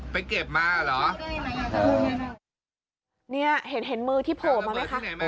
ไปเก็บมาเหรอเนี่ยเห็นเห็นมือที่โผล่มาไหมคะ